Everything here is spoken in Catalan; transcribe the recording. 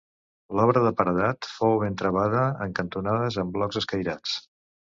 L'obra de paredat fou ben travada en cantonades amb blocs escairats.